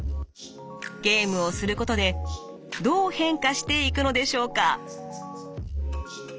ゲームをすることでどう変化していくのでしょうか。